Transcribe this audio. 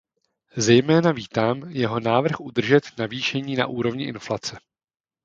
Zejména vítám jeho návrh udržet navýšení na úrovni inflace.